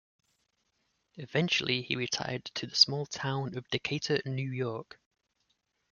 Eventually he retired to the small town of Decatur, New York.